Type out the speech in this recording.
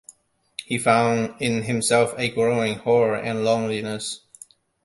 He found in himself a growing horror and loneliness.